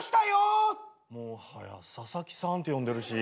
もはや佐々木さんって呼んでるし。